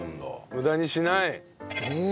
無駄にしない。へえ。